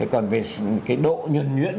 còn về cái độ nhuận nhuyễn